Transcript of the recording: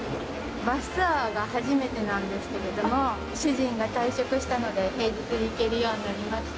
バスツアーが初めてなんですけど、主人が退職したので、平日に行けるようになりまして。